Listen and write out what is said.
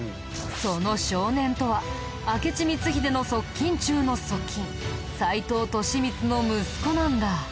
その少年とは明智光秀の側近中の側近斎藤利三の息子なんだ。